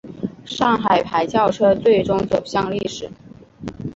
上海牌轿车最终走向历史。